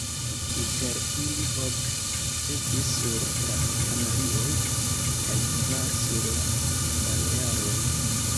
Inter ili ok estis sur la Kanarioj kaj kvar sur la Balearoj.